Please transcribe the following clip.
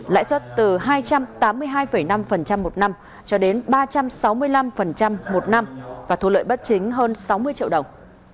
lãi suất từ hai trăm tám mươi hai năm một năm cho đến ba trăm sáu mươi năm một năm và thu lợi bất chính hơn sáu mươi triệu đồng